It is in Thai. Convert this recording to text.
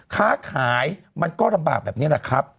ค้าขายมันก็ลำบากแบบนี้แหละครับ